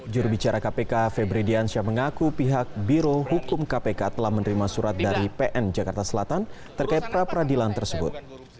jurubicara kpk febrediansyah mengaku pihak birohukum kpk telah menerima surat dari pn jakarta selatan terkait pra peradilan tersebut